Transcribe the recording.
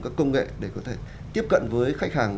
các công nghệ để có thể tiếp cận với khách hàng